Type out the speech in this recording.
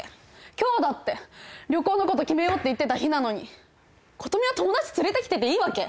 今日だって旅行のこと決めようって言ってた日なのに琴美は友達連れてきてていいわけ？